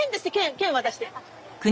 券渡して。